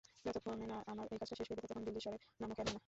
যতক্ষণে না আমার এই কাজটা শেষ হইবে, ততক্ষণ দিল্লীশ্বরের নাম মুখে আনিও না।